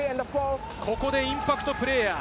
そしてここでインパクトプレーヤー。